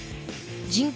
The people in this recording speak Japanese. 人口